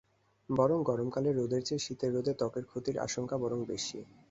বরং গরমকালের রোদের চেয়ে শীতের রোদে ত্বকের ক্ষতির আশঙ্কা বরং বেশি।